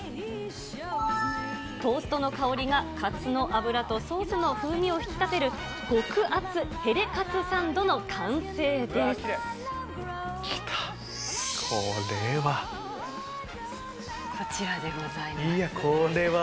トーストの香りがカツの脂とソースの風味を引き立てる、極厚ヘレ来た、これは。